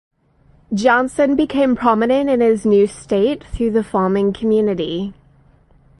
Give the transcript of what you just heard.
Johnson became prominent in his new state through the farming community.